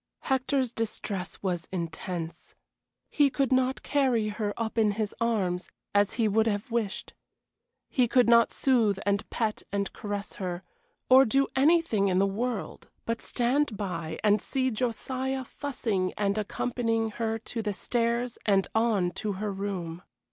Hector's distress was intense. He could not carry her up in his arms as he would have wished, he could not soothe and pet and caress her, or do anything in the world but stand by and see Josiah fussing and accompanying her to the stairs and on to her room.